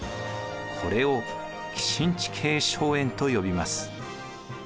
これを寄進地系荘園と呼びます。